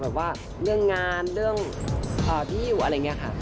ว่าเรื่องงานเรื่องที่อยู่อะไรอย่างนี้ค่ะ